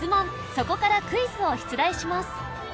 そこからクイズを出題します